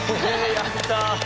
やった！